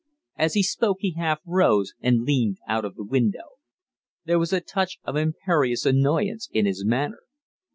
As he spoke he half rose and leaned out of the window. There was a touch of imperious annoyance in his manner.